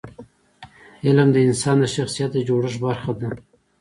علم د انسان د شخصیت د جوړښت برخه ده.